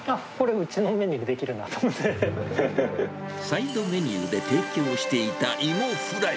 うちのメニューサイドメニューで提供していた芋フライ。